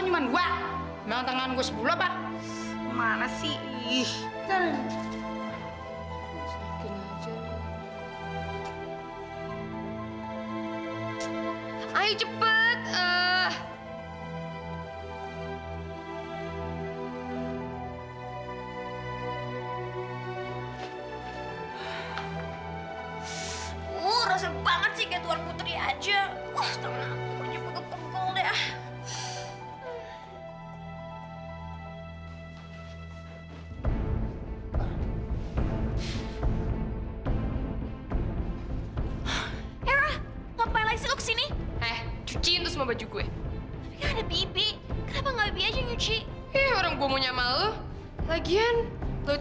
ya ampun airnya tertinggal banget sih bikin aku nyuci malam malam gini